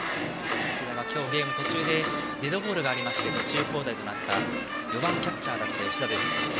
今日ゲーム途中でデッドボールがあった４番キャッチャーだった吉田です。